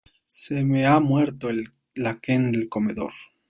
Se me ha muerto la Kent del comedor.